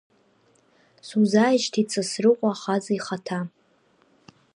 Сузааишьҭит Сасрыҟәа ахаҵа ихаҭа!